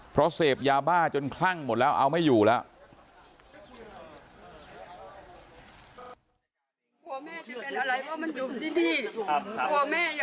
เพราะเสพยาบ้าจนคลั่งหมดแล้วเอาไม่อยู่แล้ว